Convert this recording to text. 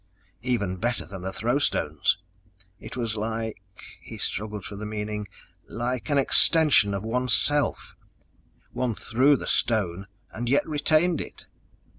Even better than the throw stones! It was like he struggled for the meaning like an extension of one's self! One threw the stone and yet retained it!